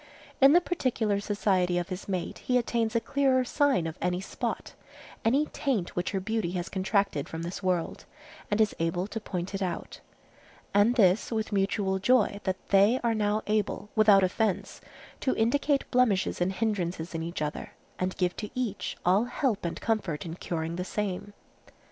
In the particular society of his mate he attains a clearer sight of any spot, any taint which her beauty has contracted from this world, and is able to point it out, and this with mutual joy that they are now able, without offence, to indicate blemishes and hindrances in each other, and give to each all help and comfort in curing the same.